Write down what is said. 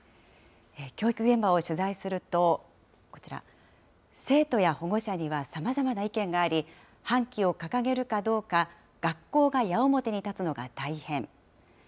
教育現場を取材すると、こちら、生徒や保護者にはさまざまな意見があり、半旗を掲げるかどうか、学校が矢面に立つのが大変。